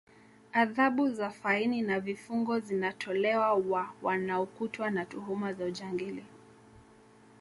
adhabu za faini na vifungo zinatolewa wa wanaokutwa na tuhuma za ujangili